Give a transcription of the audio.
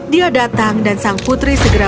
dia datang dan sang putri segera